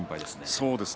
そうですね。